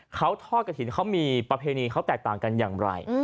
เขาทอดกระถิ่นเขามีประเพณีเขาแตกต่างกันอย่างไร